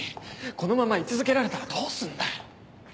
このまま居続けられたらどうすんだよ？